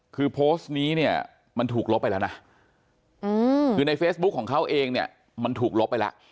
คือโพสต์นี้เนี่ยมันถูกลบไปแล้วนะคือในเฟซบุ๊คของเขาเองเนี่ยมันถูกลบไปแล้ว